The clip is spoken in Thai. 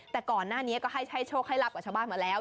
แต่ก่อนหน้านี้ก็ให้โชคให้รับกับชาวบ้านมาแล้ว